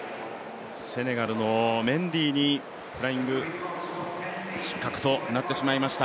セネガルのメンディーにフライング、失格となってしまいました。